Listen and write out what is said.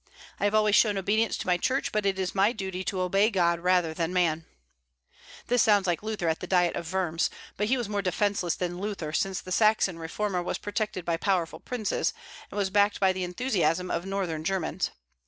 I have always shown obedience to my church; but it is my duty to obey God rather than man." This sounds like Luther at the Diet of Worms; but he was more defenceless than Luther, since the Saxon reformer was protected by powerful princes, and was backed by the enthusiasm of Northern Germans.